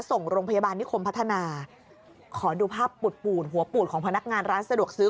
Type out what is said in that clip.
ส่งโรงพยาบาลนิคมพัฒนาขอดูภาพปูดปูดหัวปูดของพนักงานร้านสะดวกซื้อ